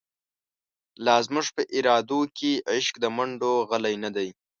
لا زموږ په ارادو کی، عشق د مڼډو غلۍ نه دۍ